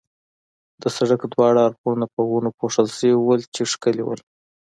د سړک دواړه اړخونه په ونو پوښل شوي ول، چې ښکلي ول.